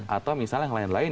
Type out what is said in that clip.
atau misalnya yang lain lain